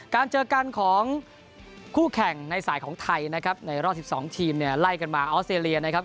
การเจอกันของคู่แข่งในสายของไทยนะครับในรอบ๑๒ทีมเนี่ยไล่กันมาออสเตรเลียนะครับ